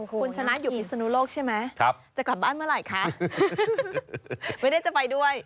คุณชนะอยู่พิศนุโลกใช่ไหมจะกลับบ้านเมื่อไหร่คะไม่ได้จะไปด้วย